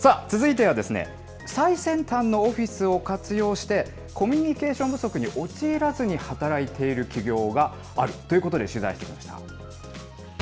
さあ続いては、最先端のオフィスを活用して、コミュニケーション不足に陥らずに働いている企業があるということで、取材してきました。